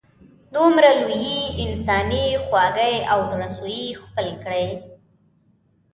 دومره لویې انسانې خواږۍ او زړه سوي یې خپل کړي.